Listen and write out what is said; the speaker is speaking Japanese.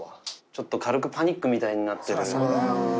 ちょっと軽くパニックみたいになってる。